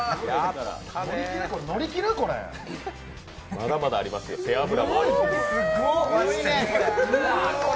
まだまだありますよ、背脂もあります。